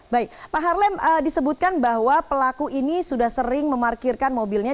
baik pak harlem disebutkan bahwa pelaku ini sudah sering memarkirkan mobilnya